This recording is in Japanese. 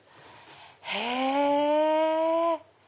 へぇ！